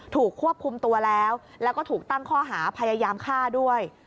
ถูกควบคุมตัวแล้วแล้วก็ถูกตั้งข้อหาพยายามฆ่าด้วย